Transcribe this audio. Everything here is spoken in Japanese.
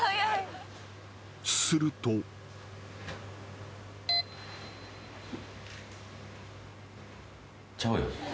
［すると］ちゃうよ。